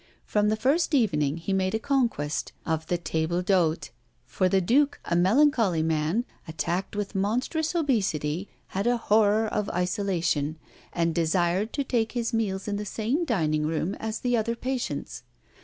From the first evening, he made a conquest of the table d'hôte, for the Duke, a melancholy man, attacked with monstrous obesity, had a horror of isolation, and desired to take his meals in the same dining room as the other patients.